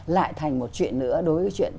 lại thành một chuyện nữa đối với chuyện